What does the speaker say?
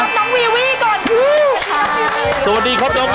ต้อนรบน้องวีวีก่อนสวัสดีครับน้องวีวีครับ